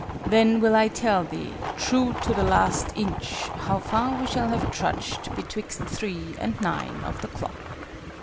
Then will I tell thee, true to the last inch, how far we shall have trudged betwixt three and nine of the clock."